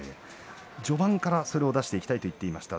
序盤から出していきたいと言っていました。